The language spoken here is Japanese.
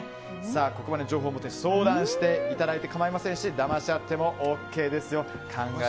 ここまでの情報をもとに相談していただいて構いませんしだまし合ってもＯＫですよ。